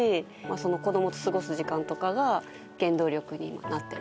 子供と過ごす時間とかが原動力になってます。